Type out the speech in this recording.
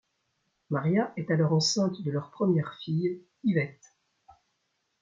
Maria est alors enceinte de leur première fille, Yvette.